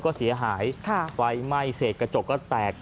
ก็เสียหายไฟไหม้เสกกระจกก็แตก